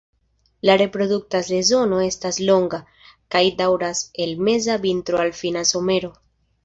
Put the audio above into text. La reprodukta sezono estas longa, kaj daŭras el meza vintro al fina somero.